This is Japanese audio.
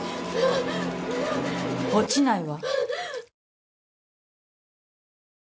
・落ちないわ。